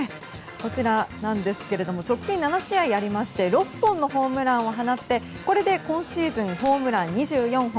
こちらなんですが直近７試合ありまして６本のホームランを放って今シーズンホームラン２４本